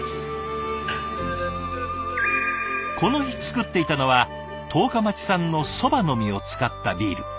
この日造っていたのは十日町産の蕎麦の実を使ったビール。